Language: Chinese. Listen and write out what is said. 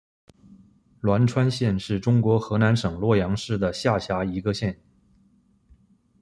栾川县是中国河南省洛阳市的下辖一个县。